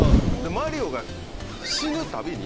マリオが死ぬたびに。